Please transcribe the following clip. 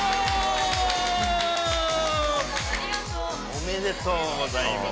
おめでとうございます。